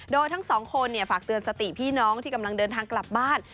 โดยทั้งสองคนฝากเตือนสติพี่น้องที่กำลังเดินทางกลับบ้าน